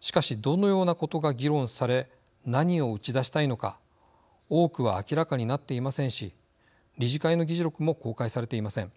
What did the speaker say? しかし、どのようなことが議論され、何を打ち出したいのか多くは明らかになっていませんし理事会の議事録も公開されていません。